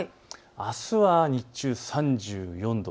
あすは日中３４度。